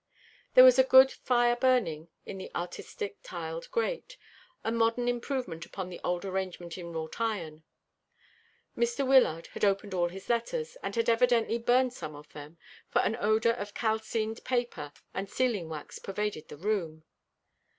There was a good fire burning in the artistic tiled grate a modern improvement upon the old arrangement in wrought iron. Mr. Wyllard had opened all his letters, and had evidently burned some of them, for an odour of calcined paper and sealing wax pervaded the room.